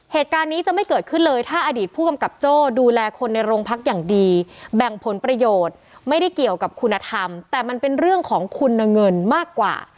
เหตุการณ์นี้จะไม่เกิดขึ้นเลยถ้าอดีตผู้กำกับโจ้ดูแลคนในโรงพักอย่างดีแบ่งผลประโยชน์ไม่ได้เกี่ยวกับคุณธรรมแต่มันเป็นเรื่องของคุณเงินมากกว่า